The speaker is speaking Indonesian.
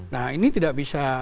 nah ini tidak bisa